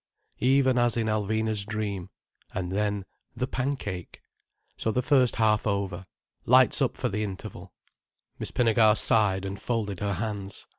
even as in Alvina's dream—and then "The Pancake"—so the first half over. Lights up for the interval. Miss Pinnegar sighed and folded her hands.